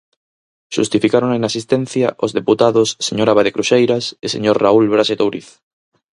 Xustificaron a inasistencia os deputados señor Abade Cruxeiras e señor Raúl Braxe Touriz.